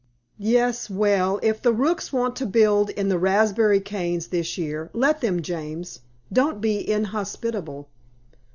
"Yes; well, if the rooks want to build in the raspberry canes this year, let them, James. Don't be inhospitable."